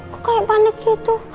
kok kayak panik gitu